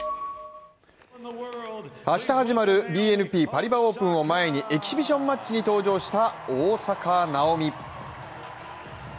明日始まるＢＮＰパリバオープンを前にエキシビジョンマッチに登場した大坂なおみ。